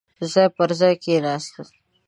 ځای پر ځاې کېناست.